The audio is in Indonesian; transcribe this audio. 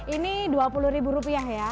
ini dua puluh ribu rupiah ya